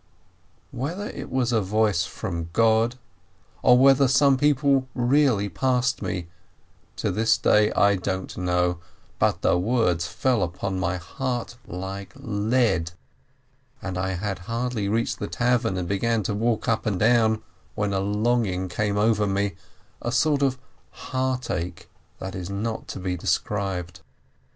Whether it was a voice from God, or whether some people really passed me, to this day I don't know, but the words fell upon my heart like lead, and I had hardly reached the tavern and begun to walk up and down, when a longing came over me, a sort of heartache, that is not to be described.